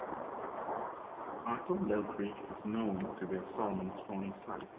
Artondale Creek is known to be a salmon spawning site.